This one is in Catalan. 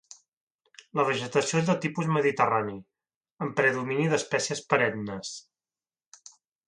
La vegetació és de tipus mediterrani, amb predomini d'espècies perennes.